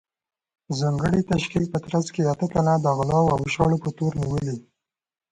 ځانګړې تشکیل په ترڅ کې اته تنه د غلاوو او شخړو په تور نیولي